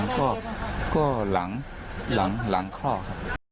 เออก็หลังเกาะครับ